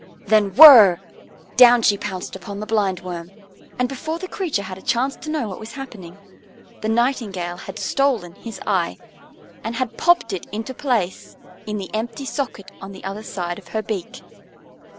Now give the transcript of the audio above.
Then whirr! Down she pounced upon the Blindworm. And before the creature had a chance to know what was happening, the Nightingale had stolen his eye, and had popped it into place in the empty socket on the other side of her beak.